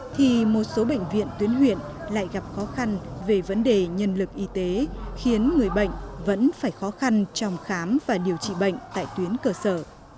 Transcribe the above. thì một số bệnh viện tuyến huyện lại gặp khó khăn về vấn đề nhân lực y tế khiến người bệnh vẫn phải khó khăn trong khám và điều trị bệnh tại tuyến cơ sở